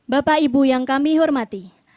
bapak ibu yang kami hormati